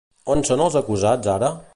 On són els acusats ara?